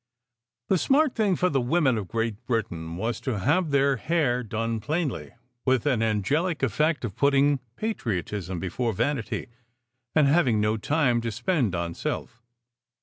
The smart thing for the women of Great Britain was to have their hair done plainly, with an angelic effect of putting patriotism before vanity, and having no time to spend on self.